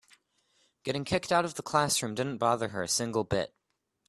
Getting kicked out of the classroom didn't bother her a single bit.